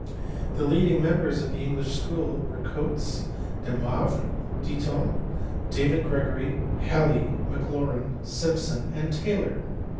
The leading members of the English school were Cotes, Demoivre, Ditton, David Gregory, Halley, Maclaurin, Simjjson, and Taylor.